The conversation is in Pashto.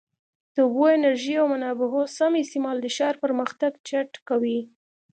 د اوبو، انرژۍ او منابعو سم استعمال د ښار پرمختګ چټکوي.